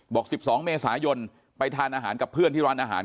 บอก๑๒เมษายนไปทานอาหารกับเพื่อนที่ร้านอาหาร